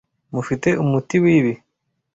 Mufite umuti wibi.